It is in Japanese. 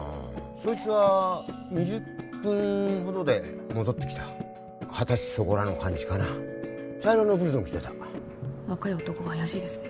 そいつは２０分ほどで戻って来た二十歳そこらの感じかな茶色のブルゾン着てた若い男が怪しいですね